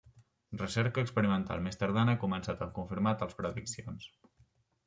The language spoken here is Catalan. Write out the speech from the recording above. Recerca experimental més tardana ha començat a confirmar tals prediccions.